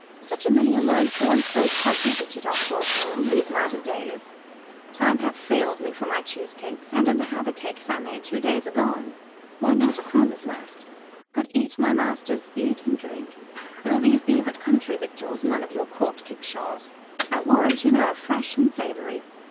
"Such a many learned foreign folk have visited our poor house these latter days, time hath failed me for my cheese cakes, and of the havercakes I made two days agone, why, not a crumb is left. But eat, my masters, eat and drink. Though these be but country victuals, none of your Court kickshaws, I warrant you they are fresh and savoury.